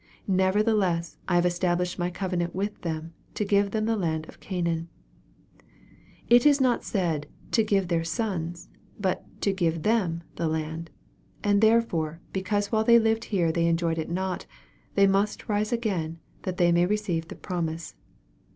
Nevertheless I have established my covenant with them, to give them the land of Canaan.' It is not said ' to give their sons,' but ' to give them the land/ and therefore because while they lived here they enjoyed it not, they mus* rise again that they may receive the promise.